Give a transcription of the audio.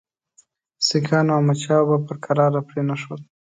سیکهانو احمدشاه پر کراره پرې نه ښود.